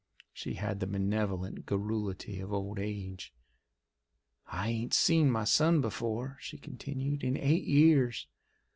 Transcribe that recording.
She had the benevolent garrulity of old age. "I ain't seen my son before," she continued, "in eight years.